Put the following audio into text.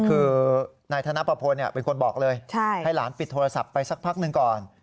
คือนายธนประพลเป็นคนบอกเลยให้หลานปิดโทรศัพท์ไปสักพักหนึ่งก่อน